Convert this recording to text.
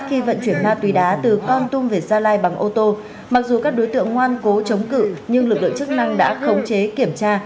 khi vận chuyển ma túy đá từ con tum về gia lai bằng ô tô mặc dù các đối tượng ngoan cố chống cự nhưng lực lượng chức năng đã khống chế kiểm tra